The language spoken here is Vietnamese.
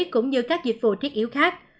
cũng như các dịch vụ thiết yếu khác